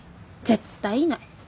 絶対いない！